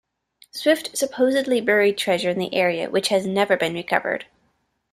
Swift supposedly buried treasure in the area which has never been recovered.